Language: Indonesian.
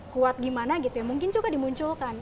kuat gimana gitu ya mungkin coba dimunculkan